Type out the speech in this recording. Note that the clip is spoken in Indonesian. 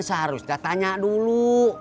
seharusnya tanya dulu